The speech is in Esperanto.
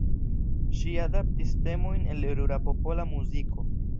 Ŝi adaptis temojn el rura popola muziko.